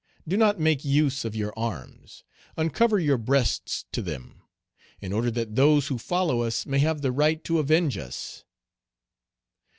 Do not make use of your arms; uncover your breasts to them, in order that those who follow us may have the right to avenge us."